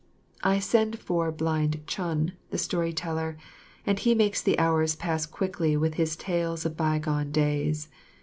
I send for Blind Chun, the story teller, and he makes the hours pass quickly with his tales of by gone days.